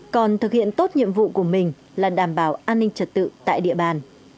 còn thực hiện tốt nhiệm vụ của mình là đảm bảo an ninh trật tự tại địa bàn